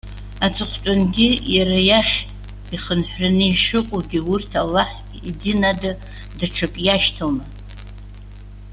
Аҵыхәтәангьы иара иахь ихынҳәраны ишыҟоугьы урҭ Аллаҳ идин ада даҽакы иашьҭоума?